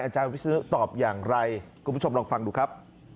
อาจารย์วิศนุตอบอย่างไรคุณผู้ชมลองฟังดูครับ